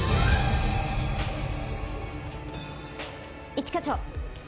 一課長。